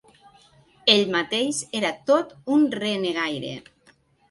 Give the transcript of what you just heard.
Ell mateix era tot un renegaire.